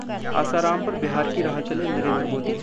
आसाराम पर बिहार की राह चले नरेन्द्र मोदी